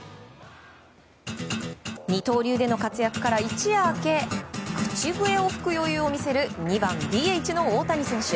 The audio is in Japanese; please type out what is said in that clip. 二刀流での活躍から一夜明け口笛を吹く余裕を見せる２番ＤＨの大谷選手。